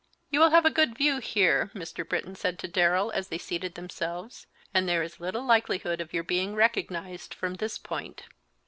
"You will have a good view here," Mr. Britton said to Darrell, as they seated themselves, "and there is little likelihood of your being recognized from this point."